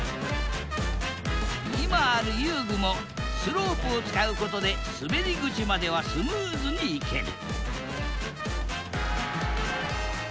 今ある遊具もスロープを使うことですべり口まではスムーズに行ける